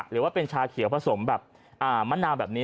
หรือว่าเป็นชาเขียวผสมแบบมะนาวแบบนี้